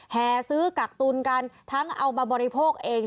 แห่ซื้อกักตุลกันทั้งเอามาบริโภคเอง